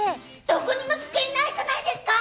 どこにも救いないじゃないですか！